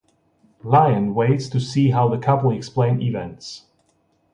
Lyon waits to see how the couple explain events.